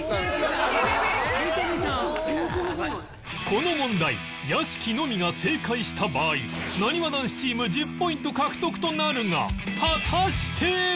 この問題屋敷のみが正解した場合なにわ男子チーム１０ポイント獲得となるが果たして！？